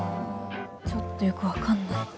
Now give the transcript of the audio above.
ちょっとよく分かんない。